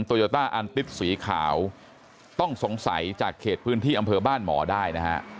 โยต้าอันติ๊ดสีขาวต้องสงสัยจากเขตพื้นที่อำเภอบ้านหมอได้นะฮะ